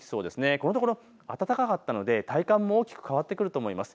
このところ暖かかったので体感も大きく変わってくると思います。